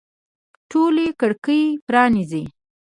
ټولي کړکۍ پرانیزئ